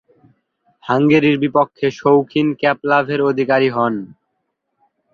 হাঙ্গেরির বিপক্ষে শৌখিন ক্যাপ লাভের অধিকারী হন।